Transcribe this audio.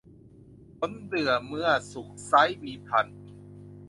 ผลเดื่อเมื่อสุกไซร้ มีพรรณ